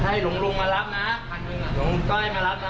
แม่ไปกับผมนะไปที่วัดนะ